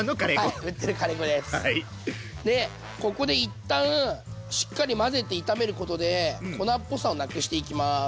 でここで一旦しっかり混ぜて炒めることで粉っぽさをなくしていきます。